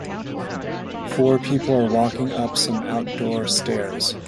Four people are walking up some outdoor stairs.